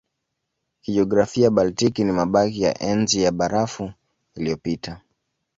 Kijiografia Baltiki ni mabaki ya Enzi ya Barafu iliyopita.